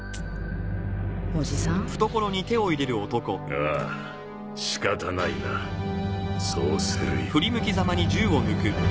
ああ仕方ないなそうするよ。